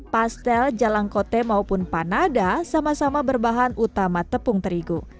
pastel jalan kote maupun panada sama sama berbahan utama tepung terigu